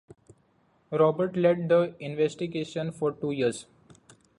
Robert led the investigation for two years.